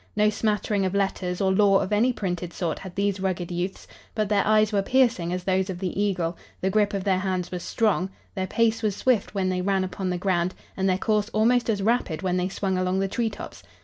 No smattering of letters or lore of any printed sort had these rugged youths, but their eyes were piercing as those of the eagle, the grip of their hands was strong, their pace was swift when they ran upon the ground and their course almost as rapid when they swung along the treetops.